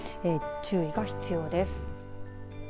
注意が必要です。